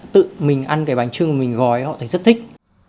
tự mình ăn cái bánh trưng mình gói họ thấy rất thích